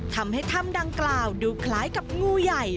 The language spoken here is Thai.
ทำให้ถ้ำดังกล่าวดูคล้ายกับงูใหญ่